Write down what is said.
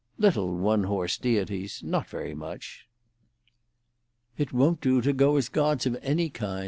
"Little one horse deities—not very much." "It won't do to go as gods of any kind.